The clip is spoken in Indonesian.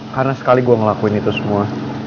karena sekali gue ngelakuin itu semua